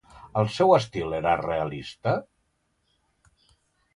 El seu estil era realista?